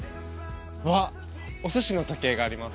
わぁお寿司の時計があります。